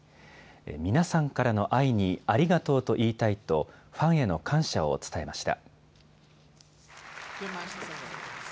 皆さんからの愛にありがとうと言いたいとファンヘの感謝を伝えました。